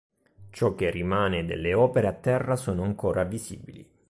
Ciò che rimane delle opere a terra sono ancora visibili.